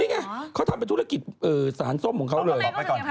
นี่ไงเค้าทำไปธุรกิจสารส้มของเค้าเลย